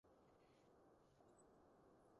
你可靠？